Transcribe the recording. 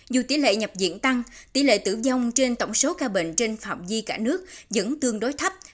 dù tỷ lệ nhập diễn tăng tỷ lệ tử vong trên tổng số ca bệnh trên phạm di cả nước vẫn tương đối thấp ở mức bảy mươi chín